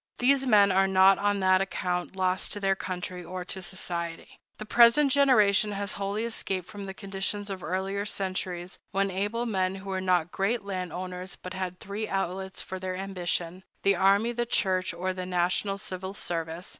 These men are not on that account lost to their country or to society. The present generation has wholly escaped from the conditions of earlier centuries, when able men who were not great land owners had but three outlets for their ambition—the army, the church, or the national civil service.